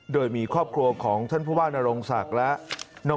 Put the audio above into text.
โดยมีครอบครัวของท่านผู้ว่านรงศักดิ์และ